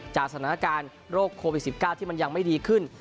สถานการณ์โรคโควิด๑๙ที่มันยังไม่ดีขึ้น